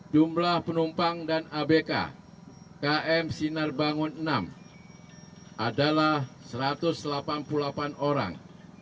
jumlah penumpang dan abk km sinar bangun enam adalah satu ratus delapan puluh delapan orang